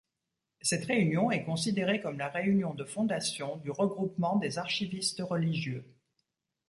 Cette réunion est considérée comme la réunion de fondation du Regroupement des archivistes religieux.